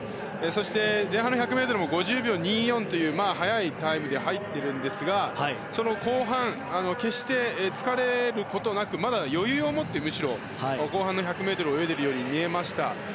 そして、前半の１００ｍも５０秒２４という速いタイムで入っているんですが後半も決して疲れることなくまだ余裕を持って後半の１００ｍを泳いでいるように見えました。